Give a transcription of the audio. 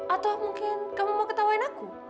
atau mungkin kamu mau ketahuin aku